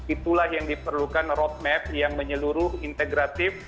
itulah yang diperlukan roadmap yang menyeluruh integratif